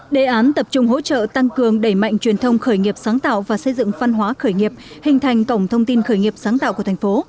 đề án tập trung hỗ trợ tăng cường đẩy mạnh truyền thông khởi nghiệp sáng tạo và xây dựng văn hóa khởi nghiệp hình thành cổng thông tin khởi nghiệp sáng tạo của thành phố